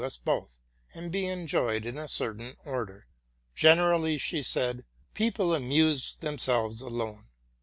us both, and be enjoyed in a certain order. '* Generally,"' she said, '* people amuse themselves alone.